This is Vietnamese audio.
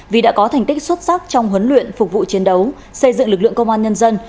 vì đã có thành tích xuất sắc trong huấn luyện phục vụ chiến đấu xây dựng lực lượng công an nhân dân